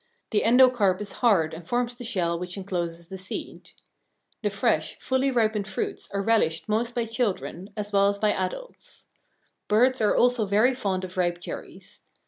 The endocarp is hard and forms the shell which encloses the seed. The fresh, fully ripened fruits are relished most by children, as well as by adults. Birds also are very fond of ripe cherries.